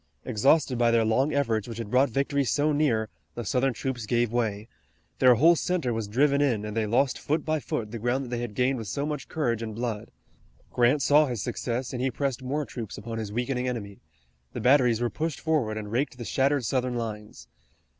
Exhausted by their long efforts which had brought victory so near the Southern troops gave way. Their whole center was driven in, and they lost foot by foot the ground that they had gained with so much courage and blood. Grant saw his success and he pressed more troops upon his weakening enemy. The batteries were pushed forward and raked the shattered Southern lines.